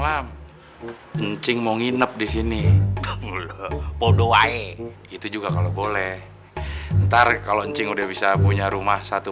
lam ncing mau nginep di sini bodoh itu juga kalau boleh ntar kalau ncing udah bisa punya rumah satu